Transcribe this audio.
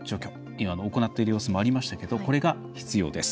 今、行っている様子もありましたけど、これが必要です。